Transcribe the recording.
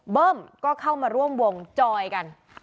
เบิ้มก็เข้ามาร่วมวงจอยกัน